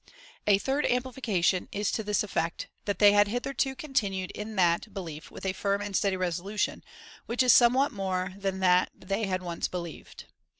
A third amplification is to this effect, that they had hitherto continued in that be lief with a firm and steady resolution, which is somewhat more than that they had once believed.